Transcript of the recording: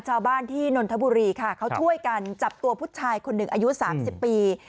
ชาวบ้านที่นนทบุรีค่ะเขาช่วยกันจับตัวผู้ชายคนหนึ่งอายุ๓๐ปี